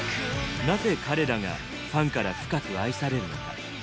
なぜ彼らがファンから深く愛されるのか？